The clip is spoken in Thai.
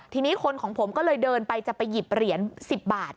ทีนี้คนของผมก็เลยเดินไปจะไปหยิบเหรียญ๑๐บาท